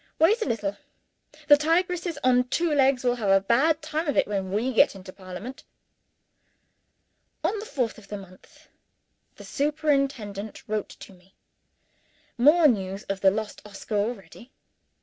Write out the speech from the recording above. Wait a little. The tigresses on two legs will have a bad time of it when we get into Parliament. On the fourth of the month, the superintendent wrote to me. More news of the lost Oscar already!